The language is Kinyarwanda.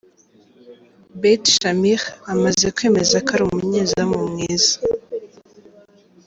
Bate Shamir amaze kwemeza ko ari umunyezamu mwiza .